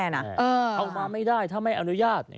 เอามาไม่ได้ถ้าไม่อนุญาต